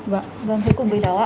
vâng vâng thế cùng với đó